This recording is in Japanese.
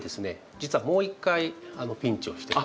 実はもう一回ピンチをしてるんですね。